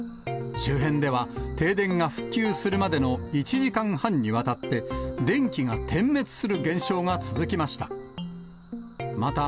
周辺では停電が復旧するまでの１時間半にわたって、電気が点滅する現象が続きました。